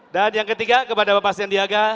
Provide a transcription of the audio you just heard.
dan yang ketiga kepada bapak syandiaga